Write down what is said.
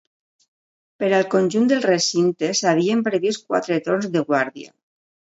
Per al conjunt del recinte, s'havien previst quatre torns de guàrdia.